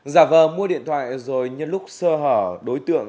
giả vờ mua điện thoại rồi nhớ lúc sơ hở